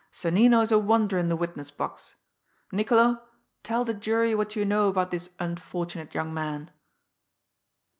Sonnino's a wonder in the witness box. Niccolo, tell the jury what you know about this unfortunate young man."